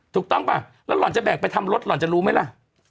ถูกต้องป่ะแล้วหล่อนจะแบกไปทำรถหล่อนจะรู้ไหมล่ะ